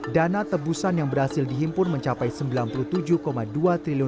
dana tebusan yang berhasil dihimpun mencapai rp sembilan puluh tujuh dua triliun